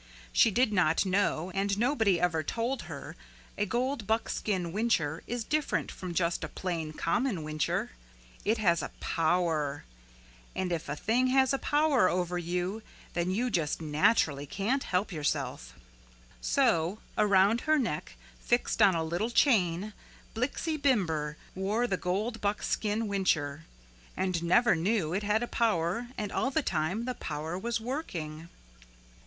She did not know and nobody ever told her a gold buckskin whincher is different from just a plain common whincher. It has a power. And if a thing has a power over you then you just naturally can't help yourself. So around her neck fixed on a little chain Blixie Bimber wore the gold buckskin whincher and never knew it had a power and all the time the power was working.